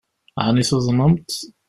Ɛni tuḍnemt?